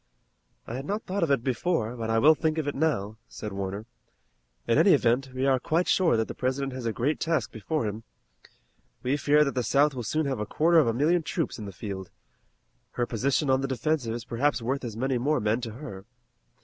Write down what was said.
"I had not thought of it before, but I will think of it now," said Warner. "In any event, we are quite sure that the President has a great task before him. We hear that the South will soon have a quarter of a million troops in the field. Her position on the defensive is perhaps worth as many more men to her.